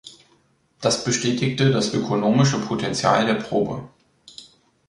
Das bestätigte das ökonomische Potenzial der Probe.